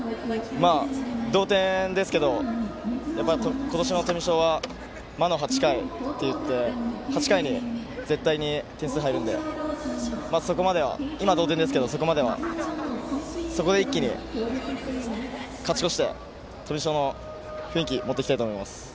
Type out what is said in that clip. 同点ですけどやっぱり今年の富商は魔の８回といって８回に絶対に点数が入るので今は同点ですけどそこで一気に勝ち越して富商の雰囲気に持っていきたいと思います。